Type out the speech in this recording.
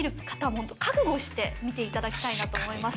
ホント覚悟して見て頂きたいなと思います。